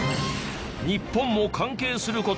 日本も関係する事。